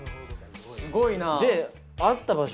すごいなぁ。